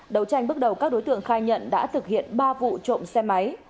đầu tranh bước đầu các đối tượng khai nhận đã thực hiện ba vụ trộm xe máy